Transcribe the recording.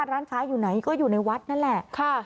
ร้านค้าอยู่ไหนก็อยู่ในวัดนั่นแหละ